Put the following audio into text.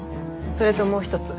それともう一つ。